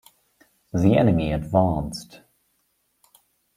The enemy advanced.